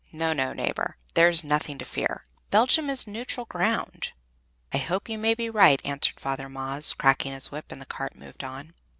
No, no, neighbor, there's nothing to fear! Belgium is neutral ground." "I hope you may be right," answered Father Maes, cracking his whip, and the cart moved on.